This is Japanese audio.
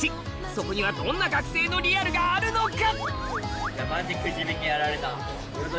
そこにはどんな学生のリアルがあるのか？